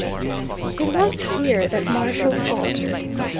It was here that Marshall faltered.